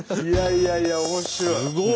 いやいや面白い！